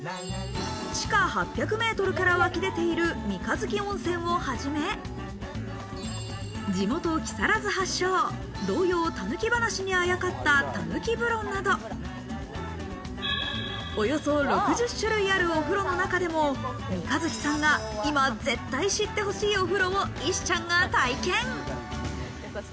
地下８００メートルから湧き出ている三日月温泉をはじめ、地元木更津発祥、童謡『たぬきばやし』にあやかった、たぬき風呂などおよそ６０種類あるお風呂の中でも三日月さんが今絶対知ってほしいお風呂を石ちゃんが体験。